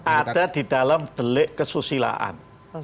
ada di dalam delik kesusilaan